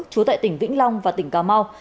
trú tại tỉnh vĩnh long và tỉnh cà mau